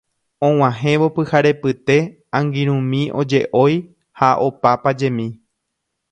Og̃uahẽvo pyharepyte angirũmi oje'ói ha opa pajemi